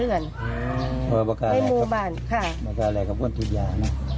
เออประกาศอะไรกับคนติดยา